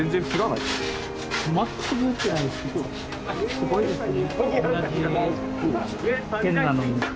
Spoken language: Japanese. すごいですね。